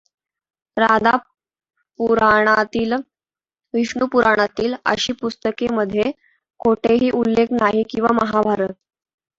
राधा पुराणातील, विष्णू पुराणातील, अशी पुस्तके मध्ये कोठेही उल्लेख नाही किंवा महाभारत.